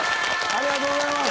ありがとうございます。